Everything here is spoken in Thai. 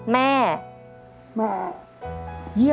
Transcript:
แม่